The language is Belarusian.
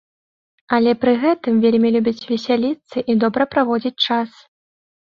Але пры гэтым вельмі любіць весяліцца і добра праводзіць час.